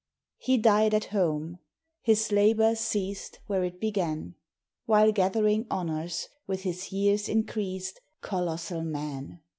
He died at home: his labour ceased Where it began; While gathering honours, with his years increased; Colossal man!